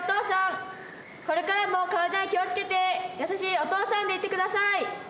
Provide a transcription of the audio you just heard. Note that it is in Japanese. これからも体に気をつけて優しいお父さんでいてください。